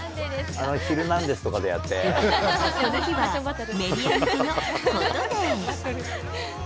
この日はメディア向けのフォトデー。